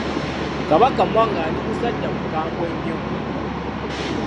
Kabaka mwanga yali musajja mukambwe nnyo.